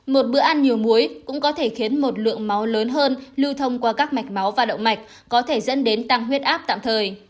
một bữa ăn nhiều muối cũng có thể khiến một lượng máu lớn hơn lưu thông qua các mạch máu và động mạch có thể dẫn đến tăng huyết áp tạm thời